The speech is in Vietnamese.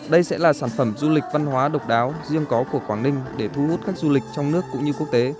đây sẽ là sản phẩm du lịch văn hóa độc đáo riêng có của quảng ninh để thu hút khách du lịch trong nước cũng như quốc tế